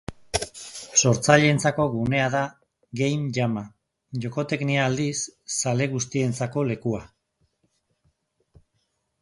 Sortzaileentzako gunea da Game Jama, Jokoteknia, aldiz, zale guztientzako lekua